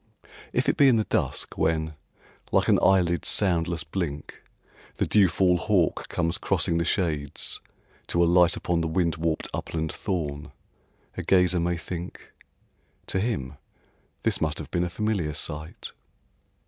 If it be in the dusk when, like an eyelid's soundless blink, The dewfall hawk comes crossing the shades to alight Upon the wind warped upland thorn, a gazer may think, "To him this must have been a familiar sight."